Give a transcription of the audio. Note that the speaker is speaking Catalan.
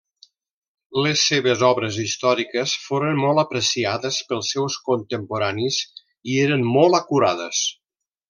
Les seves obres històriques foren molt apreciades pels seus contemporanis i eren molt acurades.